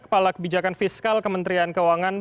kepala kebijakan fiskal kementerian keuangan